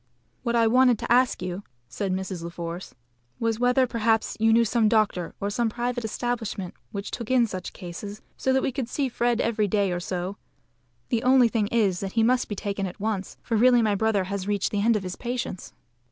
"What I wanted to ask you," said Mrs. La Force, "was whether perhaps you knew some doctor or some private establishment which took in such cases so that we could see Fred every day or so. The only thing is that he must be taken at once, for really my brother has reached the end of his patience."